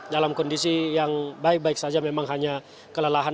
dalam kondisi yang baik baik saja memang hanya kelelahan